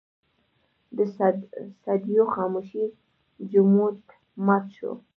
د صدېو خاموشۍ جمود مات شو.